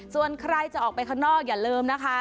ส่วนใครจะออกไปข้างนอกอย่าลืมนะคะ